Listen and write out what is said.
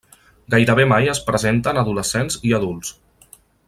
Gairebé mai es presenta en adolescents i adults.